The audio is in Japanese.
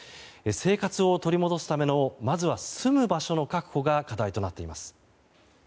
生活を取り戻すためのまずは住む場所の確保が課題となっています。